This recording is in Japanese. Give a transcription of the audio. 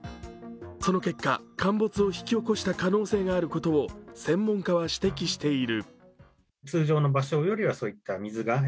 その結果、陥没を引き起こした可能性があることを専門家は指摘している。